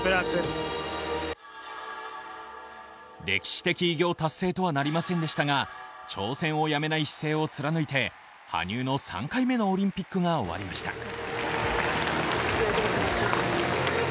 歴史的偉業達成とはなりませんでしたが、挑戦をやめない姿勢を貫いて、羽生の３回目のオリンピックが終わりました。